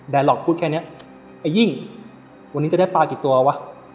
หลอกพูดแค่นี้ไอ้ยิ่งวันนี้จะได้ปลากี่ตัววะ